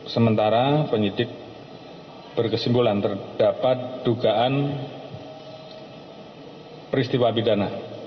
sementara penyidik berkesimpulan terdapat dugaan peristiwa pidana